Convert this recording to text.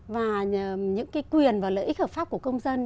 và những quyền và lợi ích hợp pháp của công dân